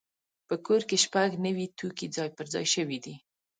په کور کې شپږ نوي توکي ځای پر ځای شوي دي.